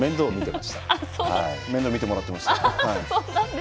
面倒見てもらってました。